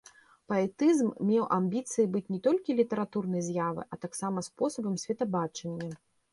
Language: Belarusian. Паэтызм меў амбіцыі быць не толькі літаратурнай з'явай, а таксама спосабам светабачання.